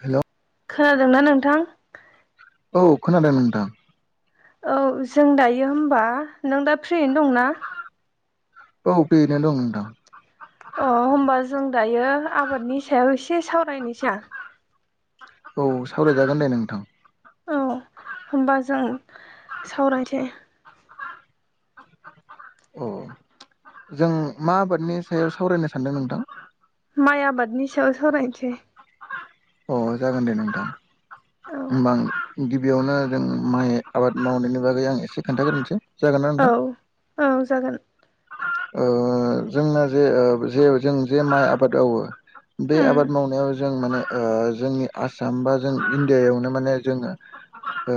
हेल'। खोनादोंना नोंथां? औ खोनादों नोंथां। औ जों दायो होमबा नों दा फ्रियैनो दंना? औ फ्रियैनो दं नोंथां। अ होमबा जों दायो आबादनि सायाव एसे सावरायनोसै। औ सावरायजागोन दे नोंथां। औ होमबा जों सावरायसै औ जों मा आबादनि सायाव सावरायनो सानदों नोंथां? माइ आबादनि सायाव सावरायनोसै अ जागोन दे नोंथां औ ओमबा गिबियावनो जों माइ आबाद मावनायनि बागै आं एसे खोन्थाग्रोनसै। औ औ जागोन। ओ जोंना जे जे जों जे माइ आबाद मावो बे उम आबाद मावनायाव जों माने जोंनि आसाम बा जों इण्डियायावनो माने जोङो ओ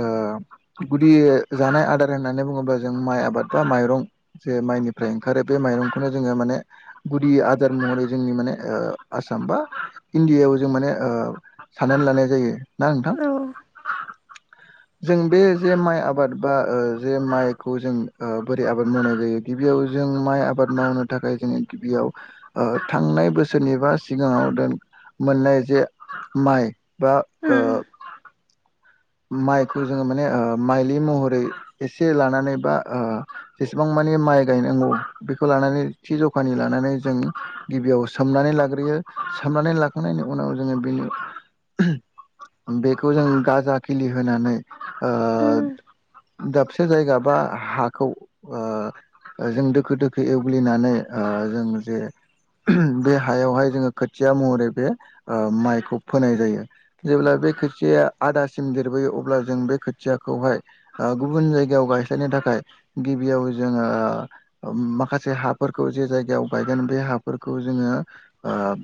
गुदि जानाय आदार होननानै बुङोबा जों माइ आबाद बा माइरं जे माइनिफ्राय ओंखारो बे माइरंखौनो जोङो माने गुदि आदार महरै जोंनि माने ओ आसाम बा इण्डियायाव जों माने ओ साननानै लानाय जायो ना नोंथां? औ [inaudible] जों बे जे माइ आबाद बा जे माइखौ जों बोरै आबाद मावनाय जायो गिबियाव जों माइ आबाद मावनो थाखाय जोङो गिबियाव थांनाय बोसोरनि बा सिगाङाव दा मोननाय जे माइ बा ओ उम माइखौ जोङो माने माइलि महरै एसे लानानै बा ओ जेसेबां माने माइ गायनांगौ बेखौ लानानै थि जखानि लानानै जों गिबियाव सोमनानै लाग्रोयो। साननानै लाखांनायनि उनाव जोङो बेनि [inaudible] बेखौ जों गाजा खिलि होनानै उम ओ दाबसे जायगा बा हाखौ ओ जों दोखो दोखो एवग्लिनानै जों जे बे हायावहाय जोङो खोथिया महरै बे ओ माइखौ फोनाय जायो जेब्ला बे खोथिया आद सिम देरबोयो अब्ला जों बे खोथियाखौहाय गुबुन जायगायाव गायस्लायनो थाखाय गिबियाव जोङो माखासे हाफोरखौ जे जायगायाव गायोन बे हाफोरखौ जोङो ओ ओ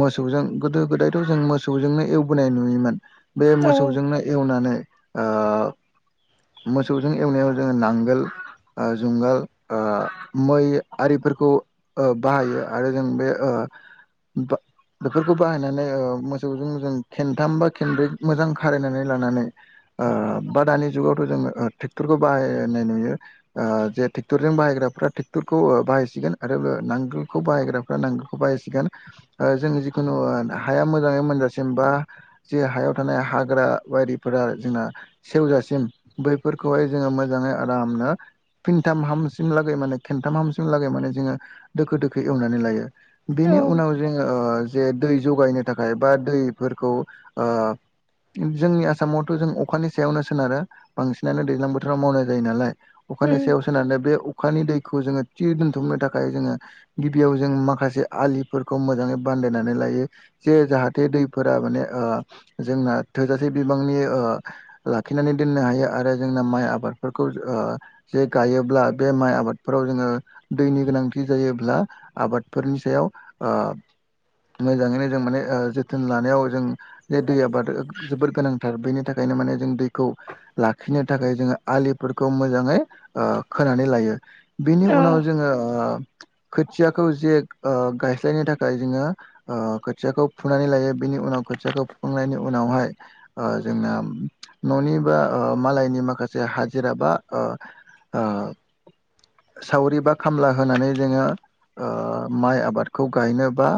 मोसौजों गोदो गोदायथ' जों मोसौजोंनो एवबोनाय नुयोमोन बे औ मोसौजोंनो नानै ओ मोसौजों एवनायाव जोङो नांगोल ओ जुंगाल ओ मै आरिफोरखौ ओ बाहायो आरो जों बे ओ [unintelligible] बा बेफोरखौ बाहायनानै मोसौजों जों खेनथाम बा खेनब्रै मोजां खारायनानै लानानै ओ बा दानि जुगावथ' जों ओ टेक्टरखौ बाहायनाय नुयो ओ जे टेक्टरजों बाहायग्राफ्रा ट्रेक्टरखौ बाहायसिगोन आरो नांगोलखौ बाहायग्राफ्रा नांगोलखौ बाहायसिगोन। ओ जोङो जिखुनु ओ हाया मोजाङै मोनजासिम बा जे हायाव थानाय हाग्रा बायारिफोरा जोंना सेवजासिम बैफोरखौहाय जोङो मोजाङै आरामनो फिनथाम हामसिन लागै माने खनथाम हामसिन लागै माने जोङो दोखो दोखो एवनानै लायो। बेनि औ उनाव जोङो ओ जे दै जगायनो थाखाय बा दैफोरखौ जोंनि आसामावथ' जों अखानि सायावनो सोनारो बांसिनानो दैज्लां बोथोराव मावनाय जायो नालाय। अखानि उम सेयावसोन होननानै बे अखानि दैखौ जोङो थि दोनथुमनो थाखाय जोङो गिबियाव जों माखासे आलिफोरखौ मोजाङै बानाय सायनानै लायो जे जाहाथे दैफोरा माने जोंना थोजासे बिबांनि लाखिनानै दोननो हायो आरो जोंना माइ आबादफोरखौ जे गायोब्ला बे माइ आबादफोराव जोङो दैनि गोनांथि जायोब्ला आबादफोरनि सायाव ओ मोजाङैनो जों माने जोथोन लानायाव जों जे दै आबाद जोबोर गोनांथार बेनि थाखायनो माने जों दैखौ लाखिनो थाखाय जोङो आलिफोरखौ मोजाङै ओ खोनानै लायो बिनि औ उनाव जोङो ओ खोथियाखौ जे गायस्लायनो थाखाय जोङो खोथियाखौ फुनानै लायो बेनि उनाव खोथियाखौ खुफुंनायनि उनावहाय जोंना न'नि बा मालायनि माखासे हाजिरा बा ओ सावरि बा खामला होनानै जोङो ओ माइ आबादखौ गायनोबा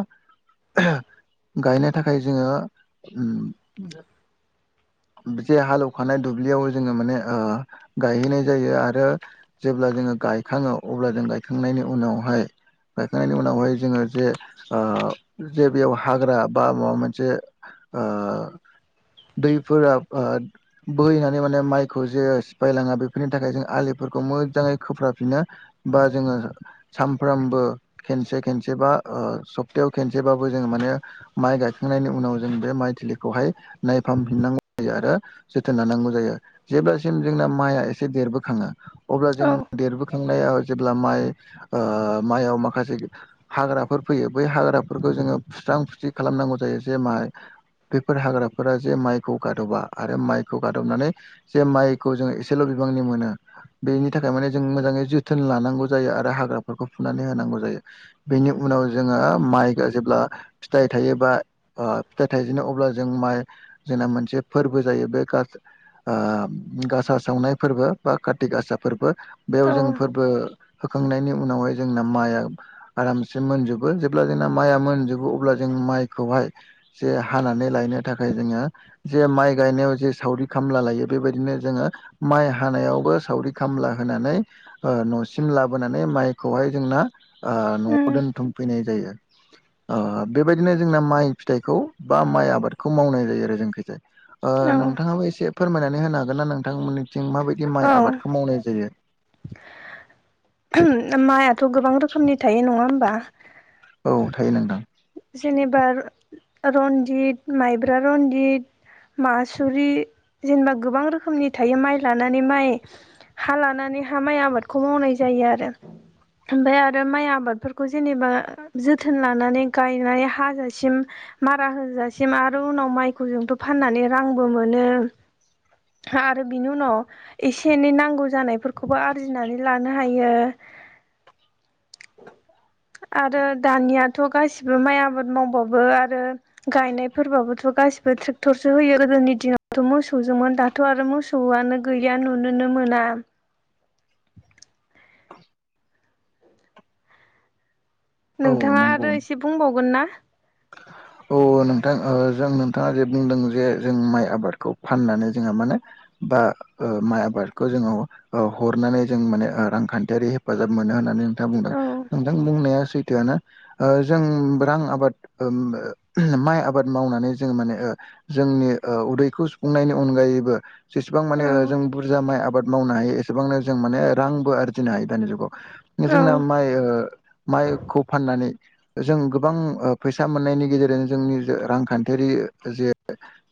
गायनो थाखाय जोङो उम जे हालौवखानाय दुब्लियाव जोङो माने ओ- गायहैनाय जायो आरो जे जब्ला जोङो गायखाङो अब्ला जों गायखांनायनि उनावहाय गायखांनायनि उनावहाय जोङो जे ओ जे बेयाव हाग्रा बा माबा मोनसे आ [inaudible] दैफोरा बोहैनानै माने माइखौ जे सिफायलाङा बेफोरनि थाखाय जों आलिफोरखौ मोजाङै खोफ्राफिनो बा जोङो सानफ्रबो खनसे खनसे बा ओ सप्तायाव खबसेबो ज माने माइ गायखांनायनि उनाव जों बे माइलि खौहाय नायफामहिननांगौ जायो आरो जोथोन लानांगौ जायो जेब्लासिम जोंना माइआ एसे देरखाङो अब्ला जों औ देरखो नाय जेब्ला माइ ओ माइयाव माखासे हाग्राफोर फैयो बै हाग्राफोरखौ जों जो सुस्रां फुस्रि खालामनांगौ जायो जे माह बेफोर हाग्राफोरा जे माइखौ गादबा आरो माइखौ गादबनानै जे माइखौ जों एसेल' बिबां नि मोनो बेनि थाखाय माने जों मोजाङै जोथोन लानांगौ जायो आरो हाग्राफोरखौ फुनानै होनांगौ जायो बेनि उनाव जोङो माइ जेब्ला फिथाइ थायोबा ओ- फिथाइ थाइजनो अ अ जों माइ जोंना मोनसे फोरबो जायो बे गासा ओ- सावनाय फोरबो फोरबो बा कार्तिक आसा फोरबो बेयाव औ जों फोरबो होखांनायनि उनावहाय जोंना माइआ आरामसे मोनजोबो जेब्ला जोंना माइआ मोनजोबो अब्ला जों जों माइखौहाय जे हा हानानै लायनो थाखाय जोङो जे माइ गायनायाव जे सावरि खामला लायो बेबायदिनो जोङो माइ हानायावबो सावरि खामला होनानै ओ न'सिम लाबोनानै माइखौहाय जोंना ओ उम न'आव दोनथुमफैनाय जायो ओ बेबायदिनो जोंना माइ फिथाइखौ बा माइ आबादखौ मावनाय जायो आरो जोंखायजाया ओ औ नोंथाङाबो एसे फोरमायनानै नानै होनो हागोन ना नोंथांमोननिथिं माबायदि माइ औ आबादखौ मावनाय जायो ओम माइआथ' गोबां रोखोमनि थायो नङा होमबा औ थायो नोंथां जेनेबा रनजित माइब्रा रनजित मासुरि जेनेबा गोबां रोखोमनि थायो माइ लानानै माइ हा लानानै हा माइ आबादखौ मावनाय जायो आरो ओमफफ्राय आरो माइ आबादफोरखौ जेनेबा जोथोन लानानै गायनाय हाजासिम मारा होजासिम आरो उनाव माइखौ जोंथ' फाननानै रांबो मोनो नो आरो बिनि उनाव एसे एनै नांगौ जानायफोरखौबो आरजिनानै लानो हायो [inaudible] आरो दानियाथ' गासिबो माइ आबाद मावबाबो आरो गायनायफोरबाबोथ' गासिबो ट्रेक्टरसो होयो गोदोनि दिनावथ' मोसौजोंमोन दाथ' आरो मोसौआनो गैया नुोनो मोना औ नोंथाङा नंगौ आरो एसे बुंबावगोन ना [inaudible] औ नोंथां ओ- जों नोंथाङा जे बुंदों जे जों माइ आबादखौ फाननानै जोंहा माने बा ओ माइ आबादखौ जोङो ओ हरनानै जों माने ओ रांखान्थियारि हेफाजाब मोनो होन नोंथाङा बुंदों औ नोंथां बुंनाया सैथोआनो जों रां आबाद उम ओ माइ आबाद मावनानै जोङो माने ओ जोंनि ओ उदैखौ सुफुंनायनि अनगायै बो जेसेबां माने औ जों बुरजा माइ आबाद मावनो हायो एसेबांनो जों माने रांबो आरजिनो हायो दानि जुगाव जोंना माइ ओ माइखौ फाननानै जों गोबां ओ फैसा मोननायनि गेजेरजोंनो जोंनि रांखान्थियारि जे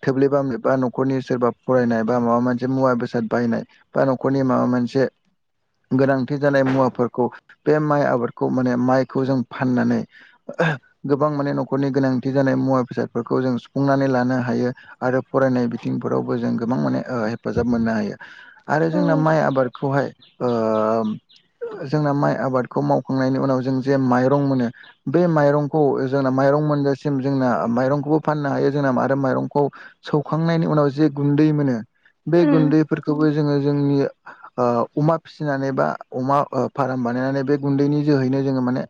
थोब्लेबा बा न'खरनि सोरबा फरायनाय बा माबा मोनसे मुवा बेसाद बायनाय बा न'खरनि माबा मोनसे गोनांथि जानाय मुवाफोरखौ बे माइ आबादखौ माने माइखौ जों फाननानै गोबां माने न'खरनि गोनांथि जानाय मुवा बेसादफोरखौ जों सुफुंनानै लानो हायो आरो फरायनाय बिथिं फोरावबो जों गोबां माने हेफाजाब मोननो हायो आरो औ जोंना माइ आबाद खौहाय ओ जोंना माइ आबादखौ मावखांनायनि उनाव जों जे माइरं मोनो बे माइरं खौ जोंना माइरं मोनजासिम जोंना माइरंखौबो फाननो हायो जोंना आरो माइरंखौ सौखांनायनि उन नाव जे गुनदै मोनो बे उम गुनदैफोरखौबो जोंङो जोंनि ओ अमा फिसिनानै बा अमा फार्म बानायनानै बे गुनदैनि जोहैनो जोङो माने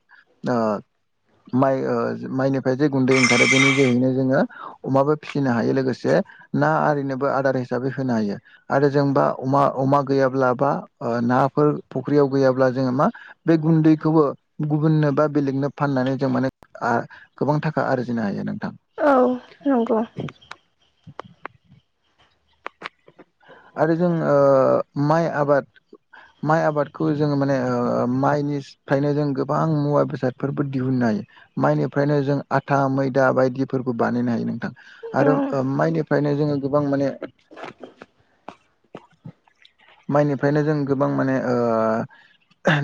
ओ माइ ओ माइनिफ्राय जे गुन्दै ओंखारो बेनि जोहैनो जोङो अमाबो फिसिनो हायो लोगोसे ना आरिनोबो आदार हिसाबै होनो हायो आरो जोंबा अमा अमा गैयाब्ला बा ओ ना नाफोर फुख्रियाव गैयाब्ला जोङो मा बे गुन्दैखौबो गुबुननो बा बेलेगनो फाननानै जों माने ओ गोबां थाखा आरजिनो हायो नों औ नंगौ। आरो जों ओ माइ आबाद माइ आबादखौ जोङो माने माइनिफ्रायनो जों गोबां मुवा बेसादफोरबो दिहुननो हायो। माइनिफ्रायनो जों आथा मैदा बायदिफोरखौ बानायनो हायो नोंथां। औ आरो माइनिफ्रायनो जोङो गोबां माने [unintelligible] माइनिफ्रायनो जों गोबां माने ओ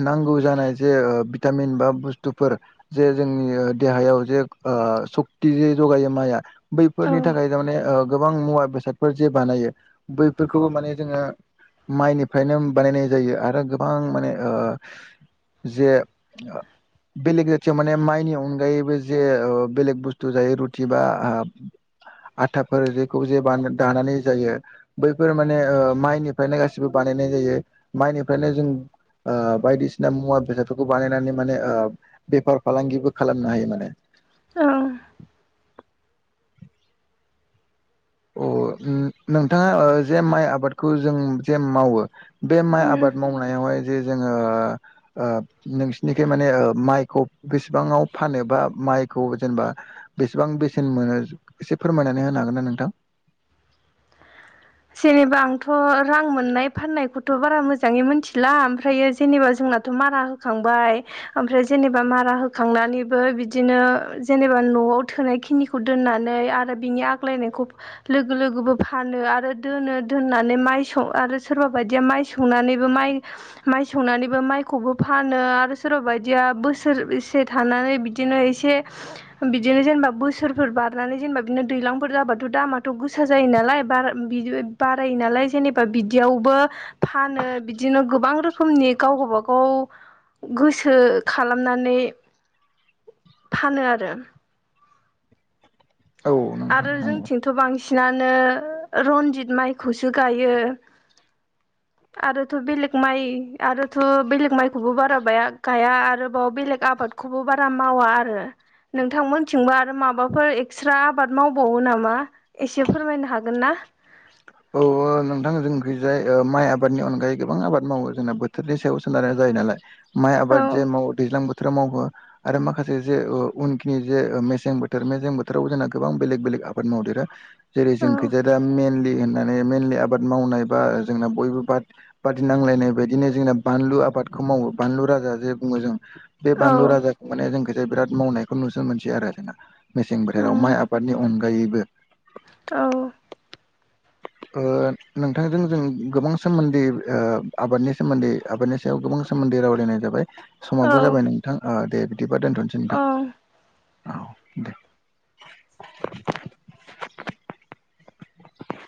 नांगौ जानाय जे भिटामिन बा बुस्थुफोर जे जोंनि देहायाव जे ओ सक्ति जगायो माइआ औ बैफोरनि थाखाय थार माने गोबां मुवा बेसादफोर जे बानायो बैफोरखौबो माने जोङो माइनिफ्रायनो बानायनाय जायो आरो गोबां माने ओ जे बेलेग जाथियाव माने माइनि अनगायैबो जे बेलेग बुस्थु जायो रुटि बा आथाफोर जेखौ जे दानानै जायो। बैफोर माने माइनिफ्रायनो गासिबो बानायनाय जायो माइनिफ्रायनो जों ओ बायदिसिना मुवा बेसादफोरखौ बानायनानै माने ओ बेफार फालांगिबो खालामनो हायो माने औ अ नोंथाङा जे माइ आबादखौ जों जे मावो बे माइ उम आबाद मावनायावहाय जे जोङो ओ नोंसिनिखाय माने ओ माइखौ बेसेबांआव फानो बा माइखौ जेनेबा बेसेबां बेसेन मोनो एसे फोरमायनानै होनो हागोन ना नोंथां। जेनेबा आंथ' रां मोननाय फाननायखौथ' बारा मोजाङै मिथिला ओमफ्रायो जेनेबा जोंना मारा होखांबाय ओमफ्राय जेनेबा मारा होखांनानैबो बिदिनो जेनेबा न'आव थोनाय खिनिखौ दोननानै आरो बिनि आग्लायनायखौ लोगो लोगोबो फानो आरो दोनो दोननानै माइ स आरो सोरबा बायदिया माइ सनानैबो माइ संनानैबो माइ माइखौबो फानो आरो सोरबा बायदिया बोसोरसे थानानै बिदिनो एसे बिदिनो जेनेबा बोसोरफोर बारनानै जेनेबा बिदिनो दैज्लांफोर जाबाथ' दामाथ' गोसा जायो नालाय बारा बारायो नालाय जेनेबा बिदियावबो फानो बिदिनो गोबां रोखोमनि गाव गाव गावबा गाव गोसो खालामनानै फानो आरो औ नोंथां आरो नंगौ। जोंनिथिंथ' बांसिन बांसिनानो रनजित माइखौसो गायो। आरोथ' बेलेग माइ आरोथ' बेलेग माइखौबो बारा बाया गाया आरो बाव बेलेग आबादखौबो बारा मावा आरो। नोंथांमोनथिंबो आरो माबाफोर एक्सट्रा आबाद मावबावो नामा एसे फोरमायनो हागोन ना? औ औ नोंथां जोंखै जाय ओ माइ आबादनि अनगायै गोबां आबाद मावो जोंना बोथोरनि सायाव सोनारनाय जायो नालाय। माइ औ आबाद जे मावो दैज्लां बोथोराव मावो आरो माखासे जे उनखिनि जे मेसें बोथोर मेसें बोथोरावबो जोंना गोबां बेलेग बेलेग आबाद मावदेरा जेरै औ जोंखै जा दा मेनलि होननानै आबाद मावनाय बा जों बयबो बादि नांयनाय बायदिनो जों बानलु आबादखौ मावो बानलु राजा जे बुंङो जों बे औ बानलु राजाखौ माने जोंखौ बिराद मावनायखौ नुनो मोनसै आरो जोंना मेसें बोथोराव माइ आबादनि अनगायैबो औ नोंथांजों जों गोबां सोमोन्दै आबादनि सोमोन्दै आबादनि सायाव गोबां सोमोन्दै रायनायाबाय औ समाबो जाबाय नोंथां दे बिदिबा दोनथ'नोसै औ नोंथां औ दे